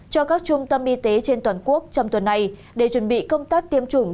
cho các trung tâm y tế trên toàn quốc trong tuần này để chuẩn bị công tác tiêm chủng